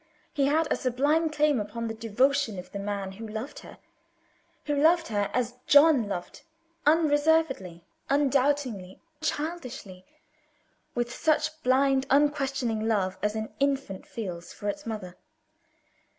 He had a sublime claim upon the devotion of the man who loved her who loved her as John loved unreservedly, undoubtingly, childishly; with such blind, unquestioning love as an infant feels for its mother.